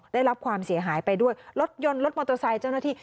ได้รับความเสียหายไปด้วยรถยนต์รถมอเตอร์ไซค์เจ้าหน้าที่